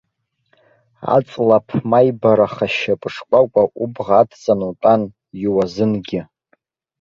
Аҵла ԥмаибарах ашьапы шкәакәа убӷа адҵаны утәан, иуазынгьы.